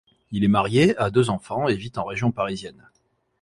Il est marié, a deux enfants et vit en région parisienne.